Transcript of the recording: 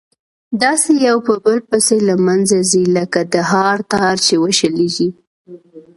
داسي يو په بل پسي له منځه ځي لكه د هار تار چي وشلېږي